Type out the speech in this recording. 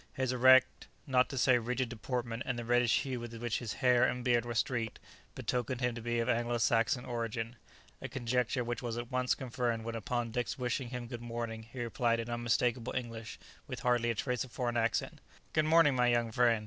His erect, not to say rigid deportment, and the reddish hue with which his hair and beard were streaked, betokened him to be of Anglo Saxon origin, a conjecture which was at once confirmed when upon Dick's wishing him "good morning," he replied in unmistakable English, with hardly a trace of foreign accent, "Good morning, my young friend."